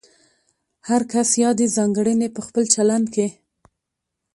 هر کس یادې ځانګړنې په خپل چلند کې